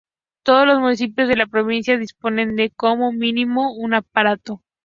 Todos los municipios de la provincia disponen de, como mínimo, un aparato.